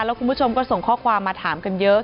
แล้วคุณผู้ชมก็ส่งข้อความมาถามกันเยอะ